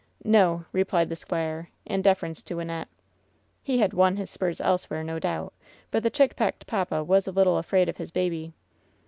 "No," replied the squire, in deference to Wynnette. He had "won his spurs elsewhere," no doubt, but the chickpecked papa was a little afraid of his baby.